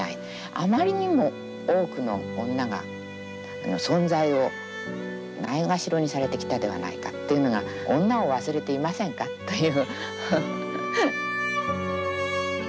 あまりにも多くの女が存在をないがしろにされてきたではないかっていうのが「女を忘れていませんか？」という。